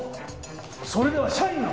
それでは社員が。